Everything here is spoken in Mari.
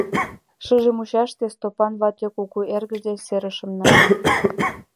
Шыже мучаште Стопан вате кугу эргыж деч серышым нале.